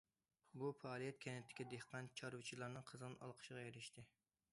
بۇ پائالىيەت كەنتتىكى دېھقان- چارۋىچىلارنىڭ قىزغىن ئالقىشىغا ئېرىشتى.